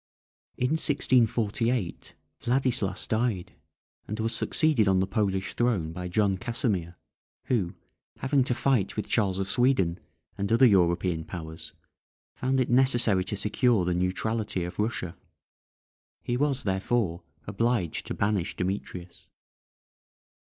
In 1648 Vladislas died, and was succeeded on the Polish throne by John Casimir, who, having to fight with Charles of Sweden, and other European powers, found it necessary to secure the neutrality of Russia; he was, therefore, obliged to banish Demetrius.